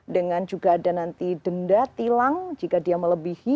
dengan juga ada nanti denda tilang jika dia melebihi